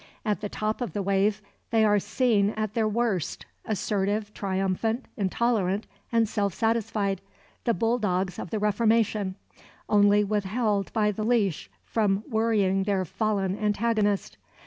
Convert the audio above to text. At the top of the wave, they are seen at their worst, assertive, triumphant, intolerant and self satisfied, the bull dogs of the Reformation, only withheld by the leash from worrying their fallen antagonist.